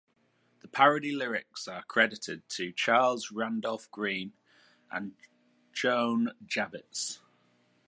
The parody lyrics are credited to Charles Randolph Grean and Joan Javits.